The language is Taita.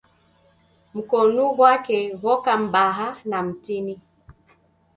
Mkonu ghwake ghoka mbaha na mtini.